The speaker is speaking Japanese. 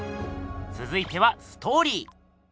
つづいてはストーリー。